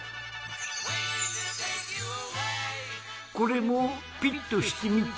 これもピッとしてみて。